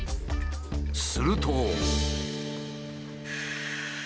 すると。